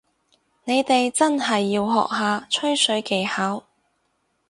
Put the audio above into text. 你哋真係要學下吹水技巧